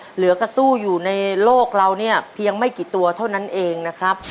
เหลือกระสู้อยู่ในโลกเราเนี่ยเพียงไม่กี่ตัวเท่านั้นเองนะครับ